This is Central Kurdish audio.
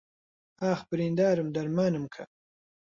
ئاخ بریندارم دەرمانم کە